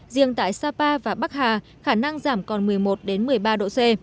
riêng tại sapa và bắc hà khả năng giảm còn một mươi một đến một mươi năm độ c